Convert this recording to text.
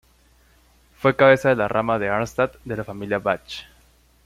Fue cabeza de la rama de Arnstadt de la familia Bach.